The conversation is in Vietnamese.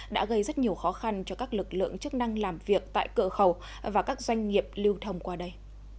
đã gây rất nhiều khó khăn cho các lực lượng chức năng làm việc tại cửa khẩu và các doanh nghiệp lưu thông qua đây